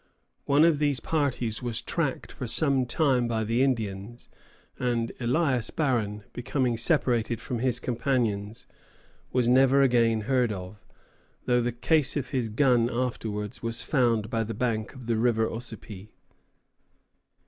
One of these parties was tracked for some time by the Indians, and Elias Barron, becoming separated from his companions, was never again heard of, though the case of his gun was afterwards found by the bank of the river Ossipee.